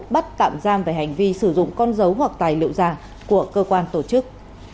bắt tạm giam về hành vi sử dụng con dấu hoặc tài liệu giả của cơ quan tổ chức